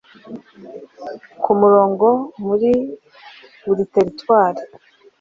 ku murongo muri buri territwari